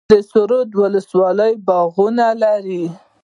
د سره رود ولسوالۍ باغونه لري